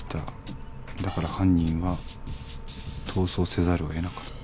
だから犯人は逃走せざるをえなかった。